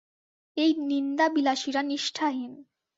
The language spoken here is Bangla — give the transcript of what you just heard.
এই নিন্দাবিলাসীরা নিষ্ঠাহীন।